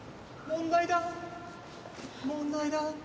「問題だ」